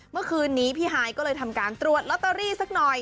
เมื่อคืนนี้พี่ฮายก็เลยทำการตรวจลอตเตอรี่สักหน่อย